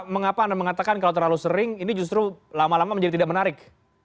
mengapa anda mengatakan kalau terlalu sering ini justru lama lama menjadi tidak menarik